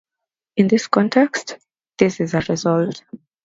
In this context, this is a result.